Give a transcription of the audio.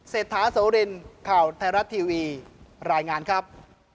เศรษฐาโสรินข่าวไทยรัฐทีวีรายงานครับ